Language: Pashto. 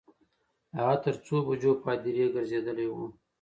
هغه تر څو بجو په هدیرې ګرځیدلی و.